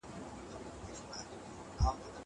زه کولای سم سبزېجات تيار کړم!